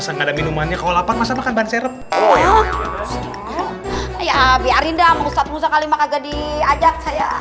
sangat minumannya kalau lapar masa makan bahan serep ya biarin damai satu kali maka diajak saya